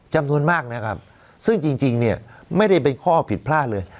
จำนวนมากนะครับซึ่งจริงเนี่ยไม่ได้เป็นข้อผิดพลาดเลย